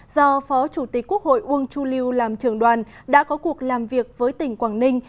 do phó chủ tịch quốc hội uông chu lưu làm trường đoàn đã có cuộc làm việc với tỉnh quảng ninh